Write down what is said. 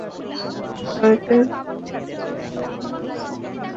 ভারতের রাঁচিতে মহেন্দ্র সিং ধোনির বাড়ির বাইরে নেওয়া হয়েছে বিশেষ নিরাপত্তা ব্যবস্থা।